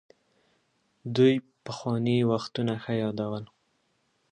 دوی پخواني وختونه ښه يادول.